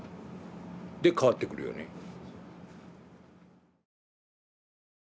で変わってくるよね。